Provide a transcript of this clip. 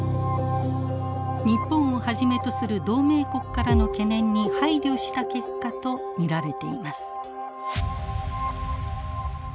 日本をはじめとする同盟国からの懸念に配慮した結果と見られています。